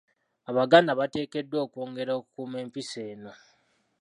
Abaganda bateekeddwa okwongera okukuuma empisa eno.